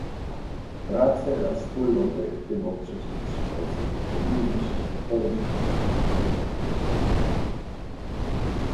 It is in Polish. Prace nad wspólną dyrektywą przeciw przemocy powinny się zakończyć jeszcze w tej kadencji Parlamentu